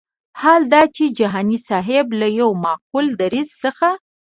حال دا چې جهاني صاحب له یو معقول دریځ څخه.